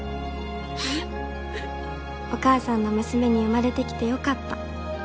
お母さんの娘に生まれてきて良かった。